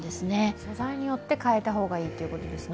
素材によって変えた方がいいということですね。